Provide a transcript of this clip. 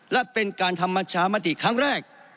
และเป็นการทำประชามติครั้งแรก